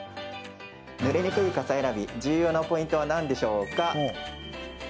ぬれにくい傘選び重要なポイントは何でしょうか？